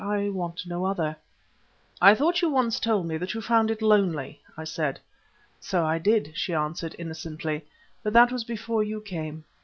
I want no other." "I thought you once told me that you found it lonely," I said. "So I did," she answered, innocently, "but that was before you came.